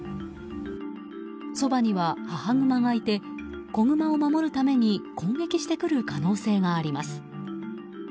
そばには母グマがいて子グマを守るために攻撃してくる可能性があります。